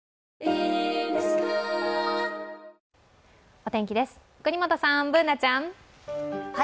お天気です、國本さん、Ｂｏｏｎａちゃん。